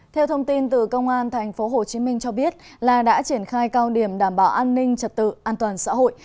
theo thông tin từ công an tp hcm cho biết là đã triển khai cao điểm đảm bảo an ninh trật tự an toàn xã hội